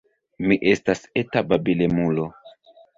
Mi estas eta babilemulo.